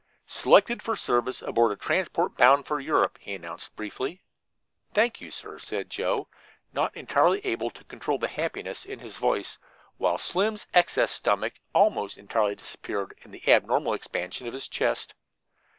"Selected for service aboard a transport bound for Europe," he announced briefly. "Thank you, sir," said Joe, not entirely able to control the happiness in his voice, while Slim's excess stomach almost entirely disappeared in the abnormal expansion of his chest.